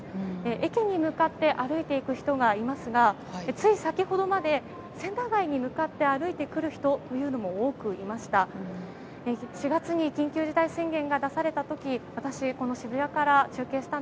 駅に向かって歩いていく人がいますがつい先ほどまでセンター街に向かって歩いてくる人も多くいました。